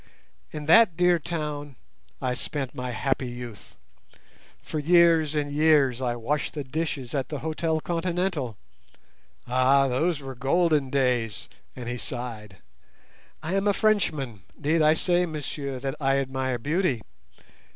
In that dear town I spent my happy youth. For years and years I washed the dishes at the Hôtel Continental. Ah, those were golden days!" and he sighed. "I am a Frenchman. Need I say, messieurs, that I admire beauty?